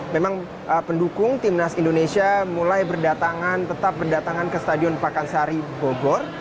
memang pendukung timnas indonesia mulai berdatangan tetap berdatangan ke stadion pakansari bogor